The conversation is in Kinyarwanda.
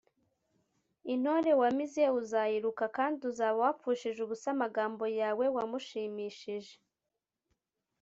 intore wamize uzayiruka, kandi uzaba wapfushije ubusa amagambo yawe wamushimishije